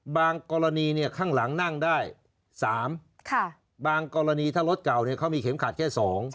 กรณีข้างหลังนั่งได้๓บางกรณีถ้ารถเก่าเขามีเข็มขัดแค่๒